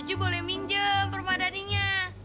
jujur boleh minjem permandannya